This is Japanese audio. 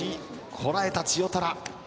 こらえた千代虎。